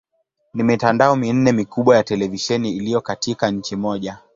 Ni mitandao minne mikubwa ya televisheni iliyo katika nchi moja.